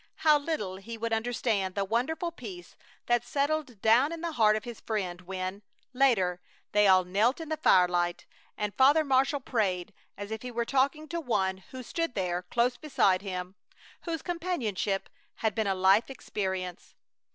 How little he would understand the wonderful peace that settled down in the heart of his friend when, later, they all knelt in the firelight, and Father Marshall prayed, as if he were talking to One who stood there close beside him, whose companionship had been a life experience.